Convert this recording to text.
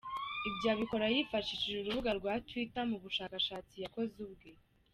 Ibyo abikora yifashishije urubuga rwa Twitter, mu bushakashatsi yakoze ubwe.